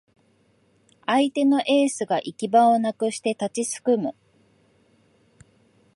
相手のエースが行き場をなくして立ちすくむ